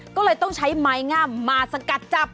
ก็เลยต้องใช้ไม้งามมาสกัดจับ